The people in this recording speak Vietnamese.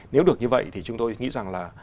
nếu được như vậy thì chúng tôi nghĩ rằng là